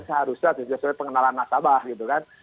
seharusnya sesuai pengenalan nasabah gitu kan